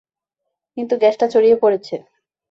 কিন্তু গ্যাসটা ছড়িয়ে পড়েছে।